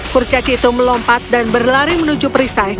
kurcaci itu melompat dan berlari menuju perisai